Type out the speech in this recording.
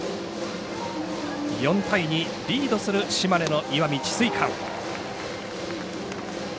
４対２、リードする島根の石見智翠館。